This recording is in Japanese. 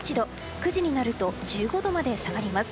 ９時になると１５度まで下がります。